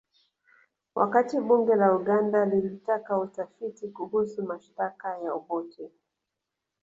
Wakati bunge la Uganda lilitaka utafiti kuhusu mashtaka ya Obote